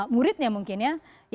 muridnya mungkin ya